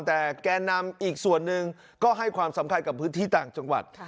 แต่แก่นำอีกส่วนหนึ่งก็ให้ความสำคัญกับพื้นที่ต่างจังหวัด